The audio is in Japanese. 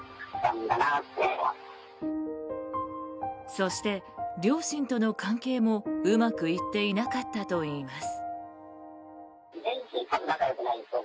そして、両親との関係もうまくいっていなかったといいます。